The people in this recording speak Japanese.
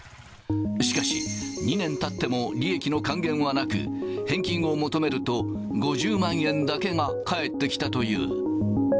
しかし、２年たっても利益の還元はなく、返金を求めると、５０万円だけが返ってきたという。